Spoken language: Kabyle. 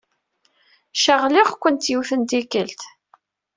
Caɣliɣ-kent yiwet n tikkelt.